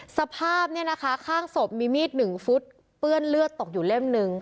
สภาพเนี่ยนะคะข้างศพมีมีดหนึ่งฟุตเปื้อนเลือดตกอยู่เล่มหนึ่ง